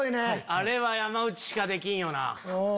あれは山内しかできんよな。